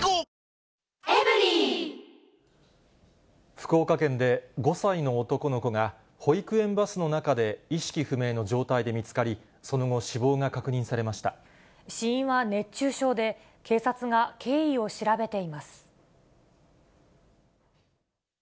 福岡県で５歳の男の子が、保育園バスの中で意識不明の状態で見つかり、その後、死亡が確認死因は熱中症で、警察が経緯を調べています。